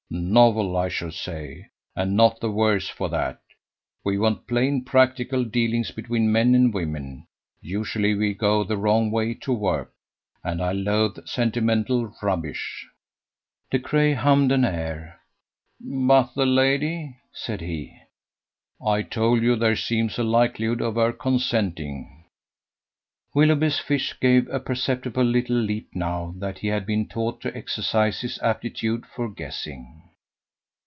"Novel, I should say, and not the worse for that. We want plain practical dealings between men and women. Usually we go the wrong way to work. And I loathe sentimental rubbish." De Craye hummed an air. "But the lady?" said he. "I told you, there seems a likelihood of her consenting." Willoughby's fish gave a perceptible little leap now that he had been taught to exercise his aptitude for guessing.